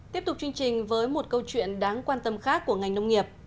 tiếp tục chương trình với một câu chuyện đáng quan tâm khác của ngành nông nghiệp